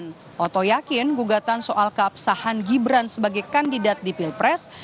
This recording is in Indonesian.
oto yakin gugatan soal keabsahan gibran sebagai kandidat di pilpres